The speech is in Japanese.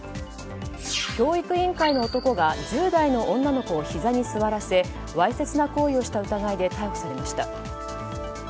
教育委員会の男が１０代の女の子をひざに座らせわいせつな行為をした疑いで逮捕されました。